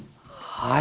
はい。